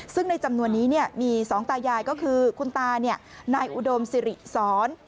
ซึ่งในจำนวนนี้มี๒ตายายก็คือคุณตานายอุดมสิริสร